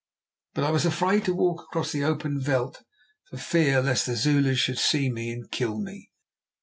But I was afraid to walk across the open veld for fear lest the Zulus should see me and kill me.